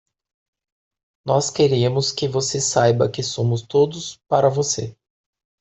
Nós queremos que você saiba que somos todos para você.